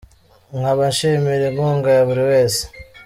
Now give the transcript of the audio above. nkaba nshimira inkunga ya buri wese .